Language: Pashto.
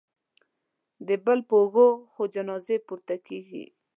د بل په اوږو خو جنازې پورته کېږي